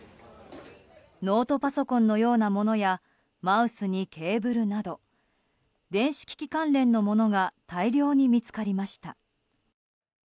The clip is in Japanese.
ノートパソコンのようなものやマウスにケーブルなど電子機器関連のものが大量に見つかりました。